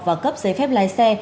và cấp giấy phép lái xe